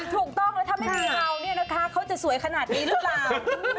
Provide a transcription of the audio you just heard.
ถูกต้องแล้วถ้าไม่มีเราเนี่ยนะคะเขาจะสวยขนาดนี้หรือเปล่า